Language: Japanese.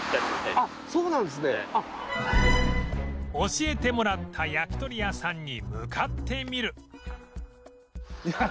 教えてもらった焼き鳥屋さんに向かってみる